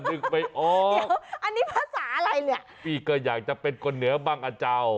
เดี๋ยวอันนี้ภาษาอะไรปีก็อยากจะเป็นคนเหนือบ้างะเจ้า